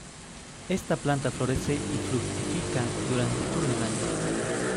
Esta planta florece y fructifica durante todo el año.